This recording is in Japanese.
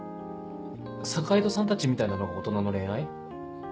坂井戸さんたちみたいなのが大人の恋愛？